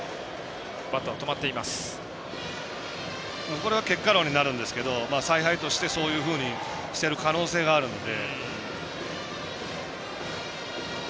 これは結果論になるんですけど采配として、そういうふうにしている可能性があるので。